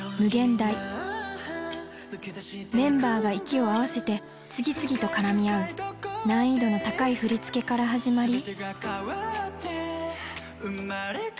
メンバーが息を合わせて次々と絡み合う難易度の高い振り付けから始まり。